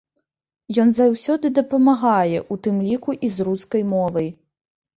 Ён заўсёды дапамагае, у тым ліку і з рускай мовай.